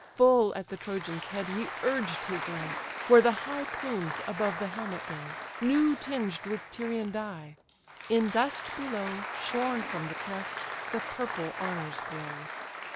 Full at the Trojan's head he urged his lance, Where the high plumes above the helmet dance, New ting'd with Tyrian dye: in dust below, Shorn from the crest, the purple honours glow.